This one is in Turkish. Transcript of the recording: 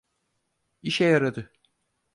İşe yaradı.